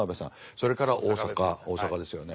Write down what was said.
それから大阪ですよね。